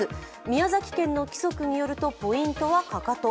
宮崎県の規則によりますと、ポイントはかかと。